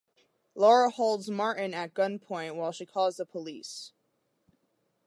Laura holds Martin at gunpoint while she calls the police.